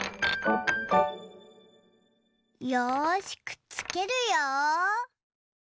よしくっつけるよ。